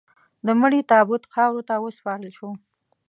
د مړي تابوت خاورو ته وسپارل شو.